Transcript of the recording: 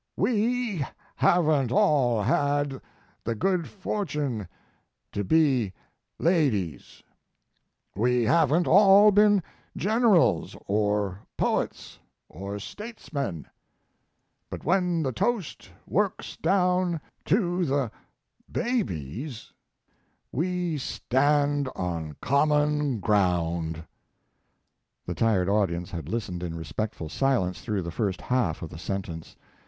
"We haven't all had the good fortune to be ladies; we haven't all been generals, or poets, or statesmen; but when the toast works down to the babies we stand on common ground " The tired audience had listened in respectful silence through the first half of the sentence.